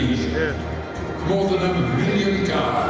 diperkonsumsi di indonesia